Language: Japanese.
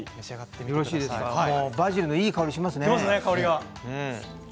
バジルのいい香りがしますね。